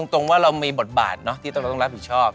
ตรงว่าเรามีบทบาทที่เราต้องรับผิดชอบ